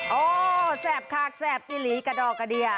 โอ้แสบครากแสบปีรีกะดอกกะเดีย